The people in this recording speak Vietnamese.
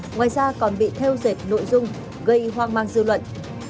ngoài ra còn bị theo dệt nội dung gây hoang mang dư luận